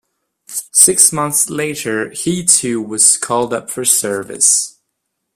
Six months later he too was called up for service.